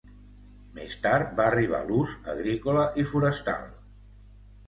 Més tard va arribar l'ús agrícola i forestal.